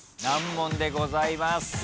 難問でございます。